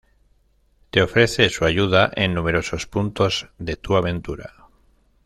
Te ofrece su ayuda en numerosos puntos de tu aventura.